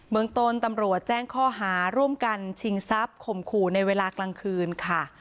เมืองต้นตำรวจแจ้งข้อหาร่วมกันชิงทรัพย์ข่มขู่ในเวลากลางคืนค่ะ